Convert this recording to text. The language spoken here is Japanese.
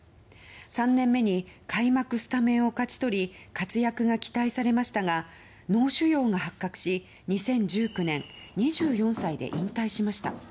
３年目に開幕スタメンを勝ち取り活躍が期待されましたが脳腫瘍が発覚し、２０１９年２４歳で引退しました。